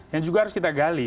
yang juga harus kita gali